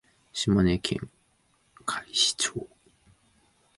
島根県海士町